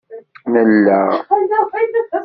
Nella